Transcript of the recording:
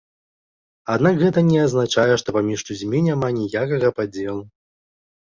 Аднак гэта не азначае, что паміж людзьмі няма ніякага падзелу.